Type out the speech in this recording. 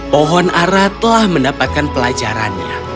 pohon ara telah mendapatkan pelajarannya